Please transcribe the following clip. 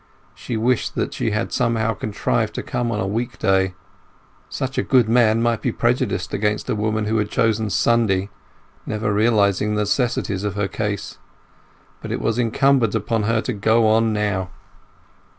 She wished that she had somehow contrived to come on a week day. Such a good man might be prejudiced against a woman who had chosen Sunday, never realizing the necessities of her case. But it was incumbent upon her to go on now.